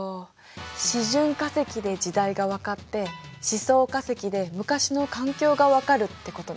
示準化石で時代がわかって示相化石で昔の環境がわかるってことね。